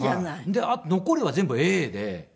で残りは全部Ａで。